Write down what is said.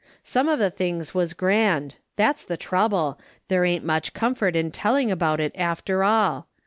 Some of the things was grand. That's the trouble. There ain't much comfort in telling about it after all.